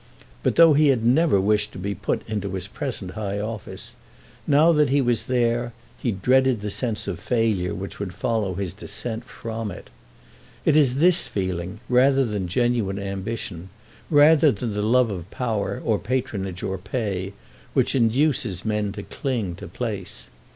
But, though he had never wished to be put into his present high office, now that he was there he dreaded the sense of failure which would follow his descent from it. It is this feeling rather than genuine ambition, rather than the love of power or patronage or pay, which induces men to cling to place.